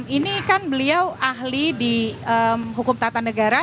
ini kan beliau ahli di hukum tata negara